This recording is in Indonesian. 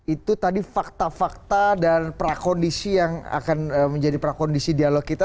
itu tadi fakta fakta dan prakondisi yang akan menjadi prakondisi dialog kita